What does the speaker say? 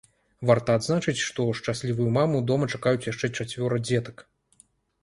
Варта адзначыць, што шчаслівую маму дома чакаюць яшчэ чацвёра дзетак.